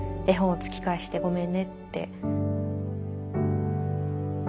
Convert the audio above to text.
絵本を突き返してごめんねって。